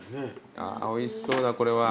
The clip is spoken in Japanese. おいしそうだこれは。